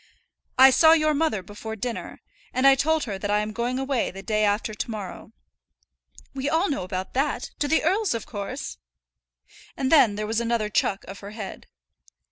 "I saw your mother before dinner, and I told her that I am going away the day after to morrow." "We all know about that; to the earl's, of course!" And then there was another chuck of her head.